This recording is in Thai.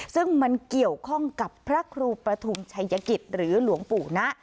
ซึ่งมันเกี่ยวข้องกับพระครูปฐุมชัยกิจหรือหลวงปู่นะ